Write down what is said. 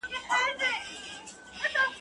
په شلومبو که څوک چاغېداى، غړکه به چاغه سوې واى.